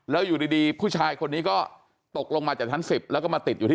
เดี๋ยวค่อยไปขยายผลต่อตรงนั้นก็แล้วกัน